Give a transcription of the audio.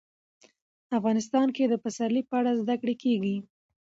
افغانستان کې د پسرلی په اړه زده کړه کېږي.